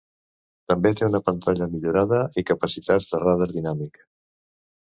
També té una pantalla millorada i capacitats de radar dinàmic.